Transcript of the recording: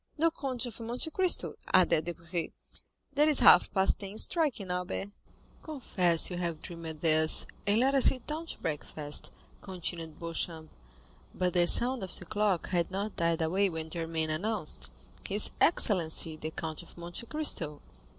"No Count of Monte Cristo" added Debray. "There is half past ten striking, Albert." 20243m "Confess you have dreamed this, and let us sit down to breakfast," continued Beauchamp. But the sound of the clock had not died away when Germain announced, "His excellency the Count of Monte Cristo."